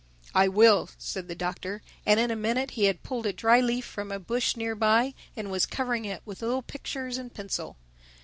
"I will," said the Doctor. And in a minute he had pulled a dry leaf from a bush near by and was covering it with little pictures in pencil.